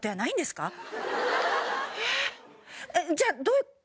じゃあどういう？